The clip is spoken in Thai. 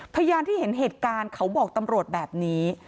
พยานที่เห็นเหตุการณ์เขาบอกตำรวจแบบนี้